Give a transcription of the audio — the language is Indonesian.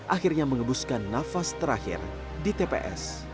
akhirnya mengebuskan nafas terakhir di tps